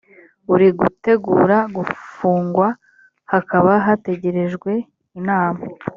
uri gutegura gufungwa hakaba hategerejwe inama